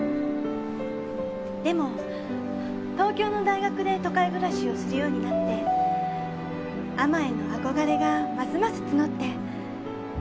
でも東京の大学で都会暮らしをするようになって海女への憧れがますます募って。